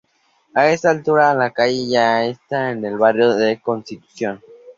A esta altura la calle ya está en el barrio de Constitución.